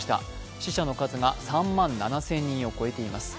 死者の数が３万７０００人を超えています。